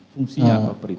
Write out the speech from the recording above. fungsinya apa perites